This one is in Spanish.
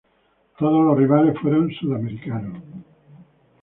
Todos los rivales fueron sudamericanos.